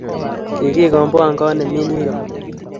ki ngi komboan kot kemi new york